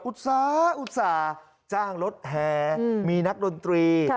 อุตสาห์อุตสาห์จ้างรถแหลมีนักรนตรี